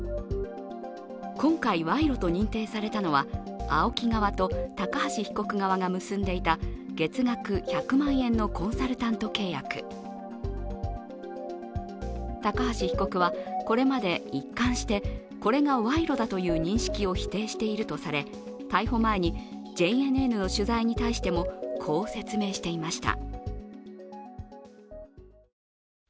今回、賄賂と認定されたのはＡＯＫＩ側と高橋被告側が結んでいた月額１００万円のコンサルタント契約高橋被告はこれまで一貫して、これが賄賂だという認識を否定しているとされ逮捕前にＪＮＮの取材に対してもこう説明していました。